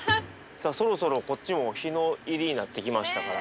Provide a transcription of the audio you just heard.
さあそろそろこっちも日の入りになってきましたから。